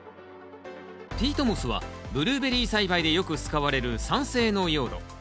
ピートモスはブルーベリー栽培でよく使われる酸性の用土。